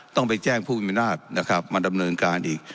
ต้องไปแจ้งผู้มีอำนาจนะครับมาดำเนินการอีก